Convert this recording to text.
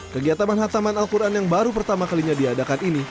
kegiatan penghataman al quran yang baru pertama kalinya diadakan ini